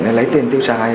để lấy tiền tiêu xài